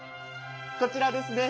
こちらですね。